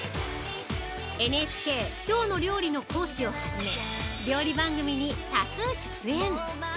ＮＨＫ「きょうの料理」の講師を初め、料理番組に多数出演。